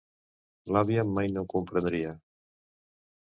L'àvia mai no ho comprendria.